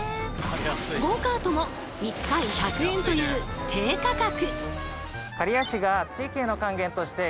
ゴーカートも１回１００円という低価格。